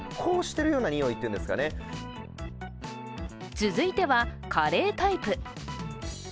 続いては、カレータイプ。